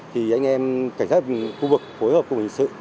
thì anh em cảnh sát khu vực phối hợp cùng hình sự